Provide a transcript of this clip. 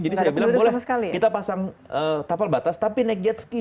jadi saya bilang boleh kita pasang tapal batas tapi naik jetski